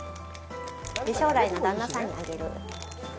で、将来の旦那さんにあげる。